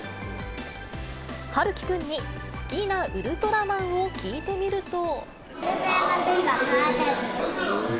陽喜くんに、好きなウルトラマンを聞いてみると。